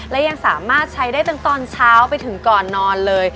และยังสามารถใช้ได้ทั้งตอนเช้าไปถึงก่อนนอนเลย